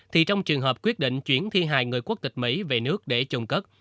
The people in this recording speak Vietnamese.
thì trong trường hợp quyết định chuyển thi hài người quốc tịch mỹ về nước để chôn cất